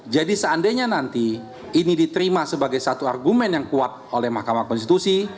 jadi seandainya nanti ini diterima sebagai satu argumen yang kuat oleh mahkamah konstitusi